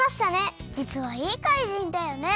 じつはいいかいじんだよね。